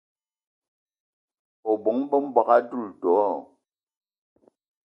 O bóng-be m'bogué a doula do?